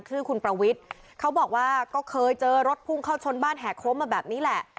ชื่อคุณประวิทย์เขาบอกว่าก็เคยเจอรถพุ่งเข้าชนบ้านแห่โค้งมาแบบนี้แหละ